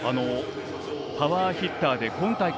パワーヒッターで今大会